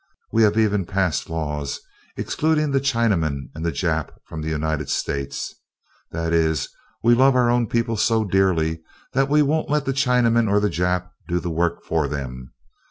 We have even passed laws excluding the Chinaman and the Jap from the United States. That is, we love our own people so dearly that we won't let the Chinaman or the Jap do the work for them.